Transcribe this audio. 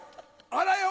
あらよ！